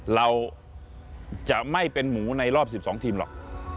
เราจะไม่เป็นหมูในรอบ๑๒ทีมหรอก